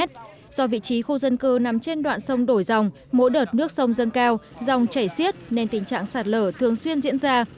do vị trí khu dân cư nằm trên đoạn sông đổi dòng mỗi đợt nước sông dâng cao dòng chảy xiết nên tình trạng sạt lở thường xuyên diễn ra